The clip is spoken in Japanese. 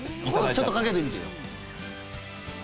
ちょっとかけてみてよ。